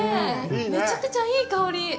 めちゃくちゃいい香り！